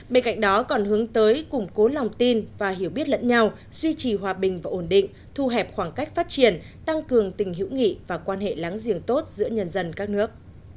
bên cạnh đó còn hướng tới củng cố lòng tin và hiểu biết lẫn nhau duy trì hòa bình và ổn định thu hẹp khoảng cách phát triển tăng cường tình hữu nghị và quan hệ láng giềng tốt giữa nhân dân các nước